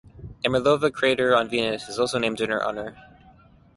Ermolova crater on Venus is also named in her honor.